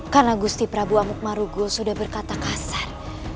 karena gusti prabu amukmarugul sudah berkata kasar